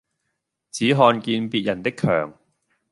只看見別人的强